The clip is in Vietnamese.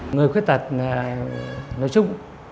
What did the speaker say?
người khuyết tật nói chung